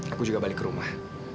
aku juga balik ke rumah